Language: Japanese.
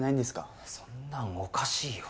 そんなのおかしいよ。